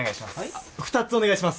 あっ２つお願いします